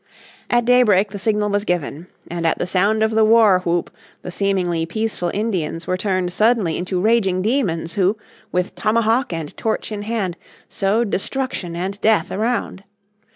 At daybreak the signal was given, and at the sound of the war whoop the seemingly peaceful Indians were turned suddenly into raging demons who, with tomahawk and torch in hand, sowed destruction and death around.